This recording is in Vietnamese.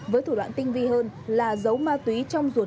với thủ đoạn tinh vi hơn là giấu ma túy trong ruột